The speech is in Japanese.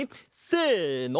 せの！